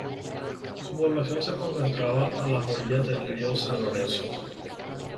Su población se concentra a orillas del río San Lorenzo.